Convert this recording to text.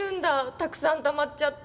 たくさんたまっちゃって。